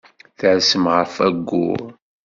Tersem ɣef wayyur.